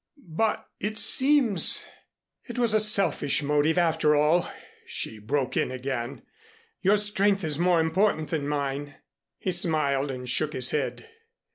"But it seems " "It was a selfish motive after all," she broke in again. "Your strength is more important than mine " He smiled and shook his head.